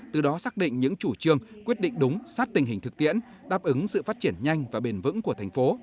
từ đó xác định những chủ trương quyết định đúng sát tình hình thực tiễn đáp ứng sự phát triển nhanh và bền vững của thành phố